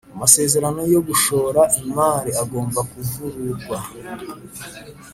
amasezerano yo gushora imari agomba kuvururwa